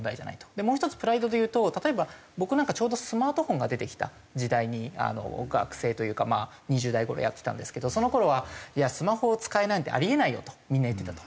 もう１つプライドでいうと例えば僕なんかちょうどスマートフォンが出てきた時代に学生というか２０代の頃やってたんですけどその頃は「スマホを使えないなんてあり得ないよ」とみんな言ってたと。